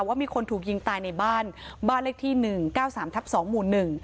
ว่ามีคนถูกยิงตายในบ้านบ้านเลขที่หนึ่งเก้าสามทับสองหมู่หนึ่ง